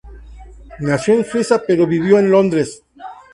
Nació en Suiza pero vivió en Londres.